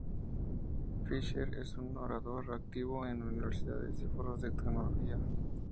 Fisher es un orador activo en universidades y foros de tecnología.